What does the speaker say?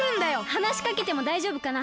はなしかけてもだいじょうぶかな？